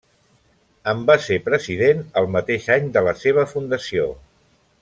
En va ser president el mateix any de la seva fundació.